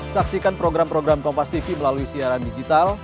saksikan program program kompastv melalui siaran digital